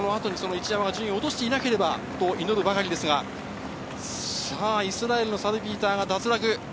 一山が順位を落としていないことを祈るばかりですが、イスラエルのサルピーターが脱落。